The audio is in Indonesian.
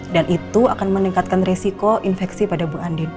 dan itu akan meningkatkan resiko infeksi pada bu andin